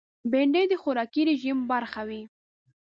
بېنډۍ د خوراکي رژیم برخه وي